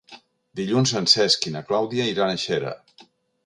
Dilluns en Cesc i na Clàudia iran a Xera.